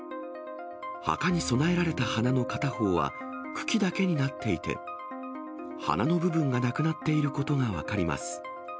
墓に供えられた花の片方は、茎だけになっていて、花の部分がなくなっていることが分かります。